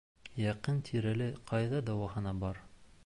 Яҡын тирәлә ҡайҙа дауахана бар?